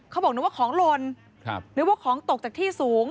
เขาบอกนึกว่าของหล่นนึกว่าของตกจากที่สูง